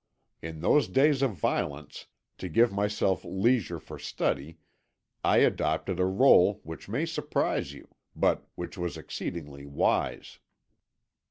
In those days of violence, to give myself leisure for study I adopted a rôle which may surprise you, but which was exceedingly wise.